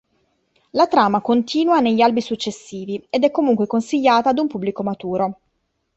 La trama continua negli albi successivi, ed è comunque consigliata ad un pubblico maturo.